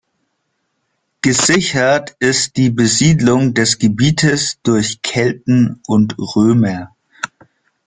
Gesichert ist die Besiedlung des Gebietes durch Kelten und Römer.